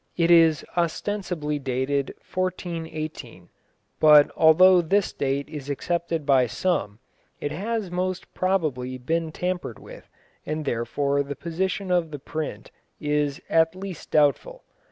It is ostensibly dated 1418, but although this date is accepted by some, it has most probably been tampered with, and therefore the position of the print is at least doubtful.